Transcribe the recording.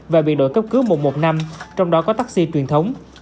và bị đội cấp cứu một trăm một mươi năm trong đó có taxi truyền thống